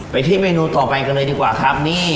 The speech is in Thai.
ไปที่เมนูต่อไปกันเลยดีกว่าครับนี่